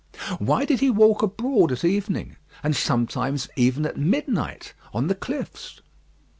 Why did he walk abroad at evening, and sometimes even at midnight, on the cliffs?